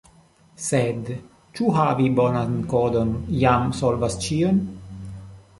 Sed ĉu havi bonan kodon jam solvas ĉion?